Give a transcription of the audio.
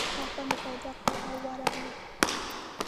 آخر مو پیدا کړ او ورغلو.